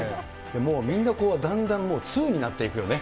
もうみんな、だんだん通になっていくよね。